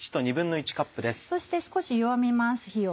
そして少し弱めます火を。